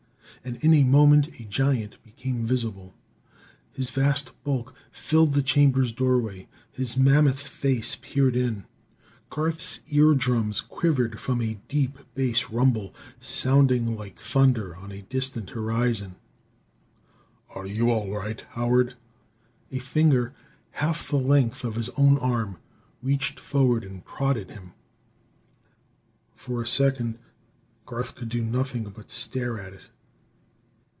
And in a moment a giant became visible. His vast bulk filled the chamber's doorway; his mammoth face peered in. Garth's eardrums quivered from a deep bass rumble, sounding like thunder on a distant horizon. "Are you all right, Howard?" A finger half the length of his own arm reached forward and prodded him. For a second Garth could do nothing but stare at it.